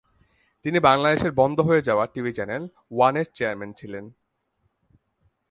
তিনি বাংলাদেশের বন্ধ হয়ে যাওয়া টিভি চ্যানেল ওয়ানের চেয়ারম্যান ছিলেন।